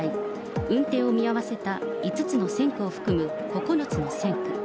運転を見合わせた５つの線区を含む９つの線区。